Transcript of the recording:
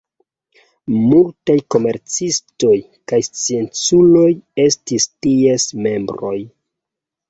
Multaj komercistoj kaj scienculoj estis ties membroj.